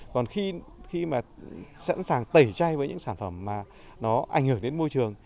còn khi mà sẵn sàng tẩy chay với những sản phẩm mà nó ảnh hưởng đến môi trường